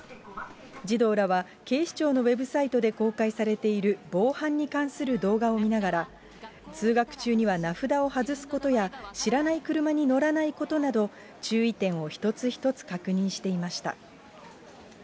児童らは、警視庁のウェブサイトで公開されている防犯に関する動画を見ながら、通学中には名札を外すことや、知らない車に乗らないことなど、注意点を一つ一つ確認していました。